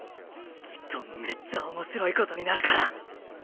きっとめっちゃ面白いことになるから。